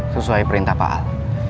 sesuai perintah pak al